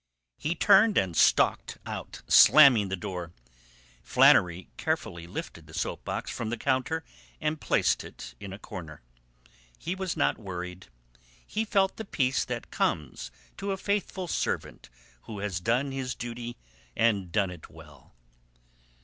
He turned and stalked out, slamming the door. Flannery carefully lifted the soap box from the counter and placed it in a corner. He was not worried. He felt the peace that comes to a faithful servant who has done his duty and done it well.